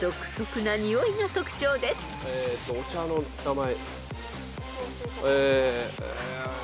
お茶の名前。